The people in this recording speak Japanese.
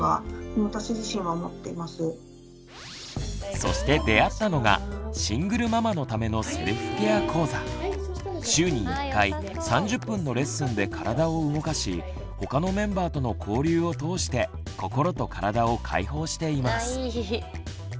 そして出会ったのが週に１回３０分のレッスンで体を動かし他のメンバーとの交流を通して心と体を解放しています。